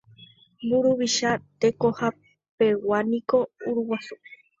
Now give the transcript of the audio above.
Mburuvicha tekohapeguániko Uruguasu